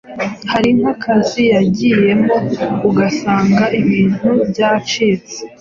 hari nk’akazi yagiyemo, ugasanga ibintu byacitse,